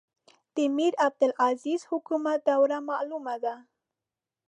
د میرعبدالعزیز حکومت دوره معلومه ده.